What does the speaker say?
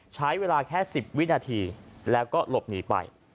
ใช้เวลาแค่๑๐วินาทีแล้วก็หลบหนีไป